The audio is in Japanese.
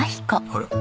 あれ？